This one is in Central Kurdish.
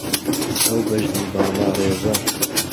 ئهو بهژن و باڵا رێزه